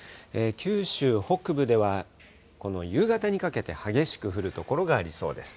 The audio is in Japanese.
九州北部では夕方にかけて激しく降る所がありそうです。